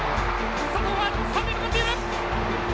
佐藤は三塁へ向かっている。